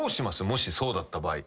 もしそうだった場合。